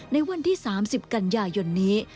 ในวันที่๓๐กันยายนนี้